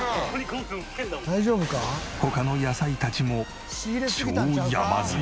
他の野菜たちも超山積み！